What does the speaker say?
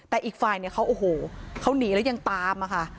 แต่อีกฝ่ายเนี่ยเขาโอ้โหเขาหนีแล้วยังตามอะค่ะ